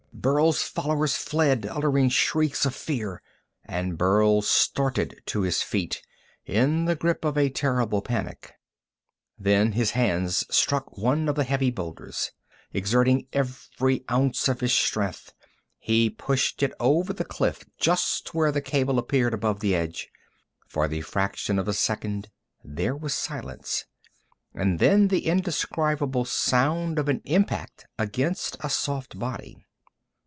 Burl's followers fled, uttering shrieks of fear, and Burl started to his feet, in the grip of a terrible panic. Then his hand struck one of the heavy boulders. Exerting every ounce of his strength, he pushed it over the cliff just where the cable appeared above the edge. For the fraction of a second there was silence, and then the indescribable sound of an impact against a soft body.